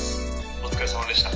お疲れさまでした」。